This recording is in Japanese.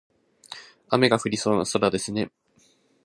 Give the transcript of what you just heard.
雨が降りそうな空ですね。